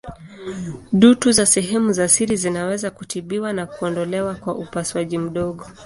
Dutu za sehemu za siri zinaweza kutibiwa na kuondolewa kwa upasuaji mdogo.